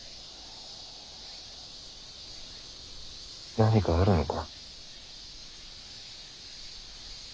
何かあるのか？